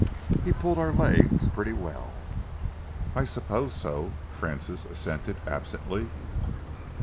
He pulled our legs pretty well!" "I suppose so," Francis assented absently.